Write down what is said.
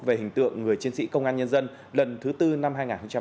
về hình tượng người chiến sĩ công an nhân dân lần thứ tư năm hai nghìn hai mươi ba